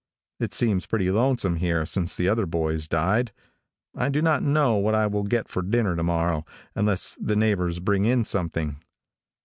It seems pretty lonesome here since the other boys died. I do not know what I will get for dinner to morrow, unless the neighbors bring in something.